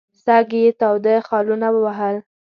سږ یې تاوده خالونه ووهل.